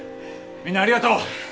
みんなありがとう！